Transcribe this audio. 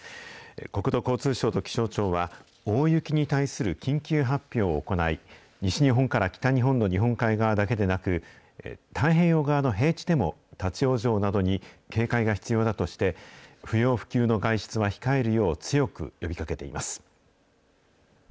国土交通省と気象庁は、大雪に対する緊急発表を行い、西日本から北日本の日本海側だけでなく、太平洋側の平地でも立往生などに警戒が必要だとして、不要不急の外出は控えるよう強く呼びかけています。